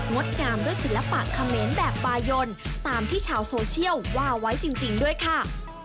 ดงามด้วยศิลปะเขมรแบบบายนตามที่ชาวโซเชียลว่าไว้จริงด้วยค่ะ